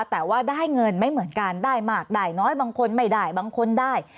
แต่ว่าได้เงินไม่เหมือนกันได้มากได้น้อยบางคนไม่ได้บางคนได้